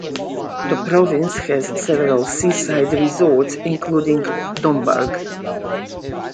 The province has several seaside resorts including Domburg.